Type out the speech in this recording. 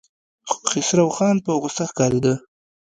خسروخان په غوسه ښکارېده.